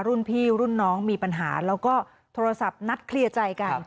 รุ่นพี่รุ่นน้องมีปัญหาแล้วก็โทรศัพท์นัดเคลียร์ใจกัน